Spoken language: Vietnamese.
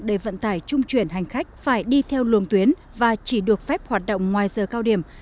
để vận tải trung chuyển hành khách phải đi theo luồng tuyến và chỉ được phép hoạt động ngoài giờ cao điểm